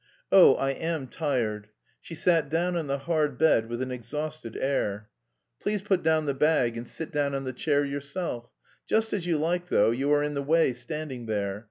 "Oh, I am tired!" she sat down on the hard bed, with an exhausted air. "Please put down the bag and sit down on the chair yourself. Just as you like though; you are in the way standing there.